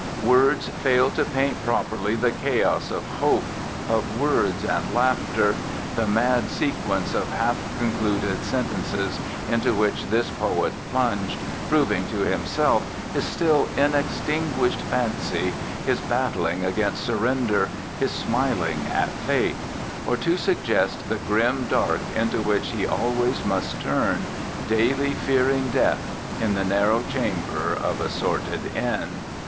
Words fail to paint properly the chaos of hope, of words and laughter, the mad 78 ERNEST LA JEUNESSE sequence of half concluded sentences, into which this poet plunged, proving to himself his still inextinguished fancy, his battling against surrender, his smiling at fate; or to suggest the grim dark into which he always must turn, daily fearing death, in the narrow chamber of a sordid inn.